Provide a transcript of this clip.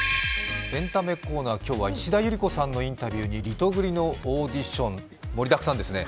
エンタメコーナー、今日は石田ゆり子さんのインタビューにリトグリのオーディション、盛りだくさんですね。